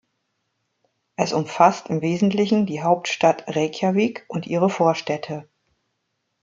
Es umfasst im Wesentlichen die Hauptstadt Reykjavík und ihre Vorstädte.